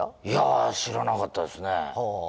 いや知らなかったですね。